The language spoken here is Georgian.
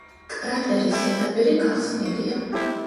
კრატერის ზედაპირი გახსნილია.